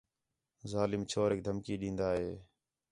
ظالم چھوریک دھمکی ݙین٘دا ہِے